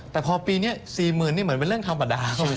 แต่พอปีนี้๔๐๐๐นี่เหมือนเป็นเรื่องธรรมดาเข้าไป